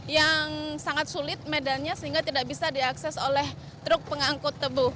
yang sangat sulit medannya sehingga tidak bisa diakses oleh truk pengangkut tebu